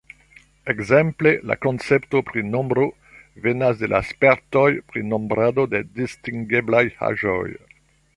Ekzemple la koncepto pri nombro venas de la spertoj pri nombrado de distingeblaj aĵoj.